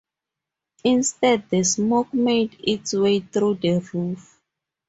Instead the smoke made its way through the roof.